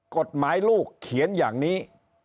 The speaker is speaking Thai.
กฎหมายลูกเขียนอย่างนี้